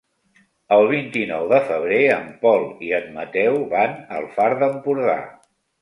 El vint-i-nou de febrer en Pol i en Mateu van al Far d'Empordà.